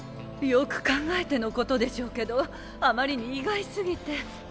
よく考えてのことでしょうけどあまりに意外すぎて。